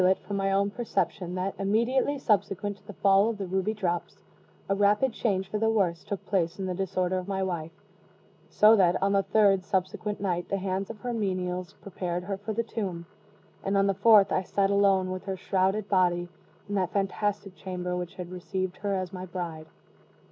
] it from my own perception that, immediately subsequent to the fall of the ruby drops, a rapid change for the worse took place in the disorder of my wife; so that, on the third subsequent night, the hands of her menials prepared her for the tomb, and on the fourth, I sat alone, with her shrouded body, in that fantastic chamber which had received her as my bride.